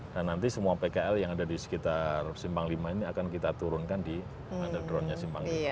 dan nanti semua pkl yang ada di sekitar simbang v ini akan kita turunkan di under routes nya simbang v